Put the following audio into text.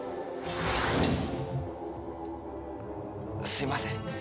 すいません。